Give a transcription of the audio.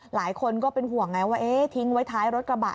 หลายคนก็เป็นห่วงไงว่าทิ้งไว้ท้ายรถกระบะ